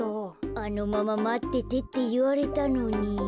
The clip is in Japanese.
あのまままっててっていわれたのに。